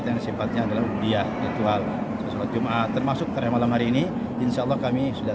yang simpatnya adalah budiah ritual sholat jum'at termasuk tarikh malam hari ini insyaallah kami sudah